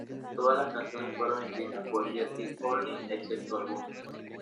Todas las canciones fueron escritas por Jerry Only, excepto algunas.